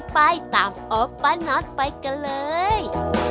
ไปตามโอ๊ปป้าน็อตไปกันเลย